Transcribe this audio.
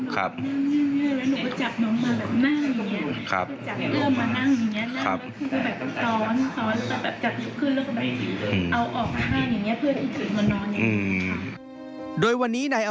สอบนางสาวเงียบเฝือ